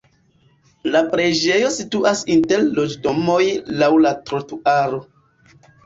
La preĝejo situas inter loĝdomoj laŭ la trotuaro.